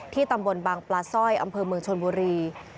ตำบลบางปลาสร้อยอำเภอเมืองชนบุรี